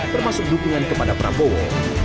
termasuk dukungan kepada prabowo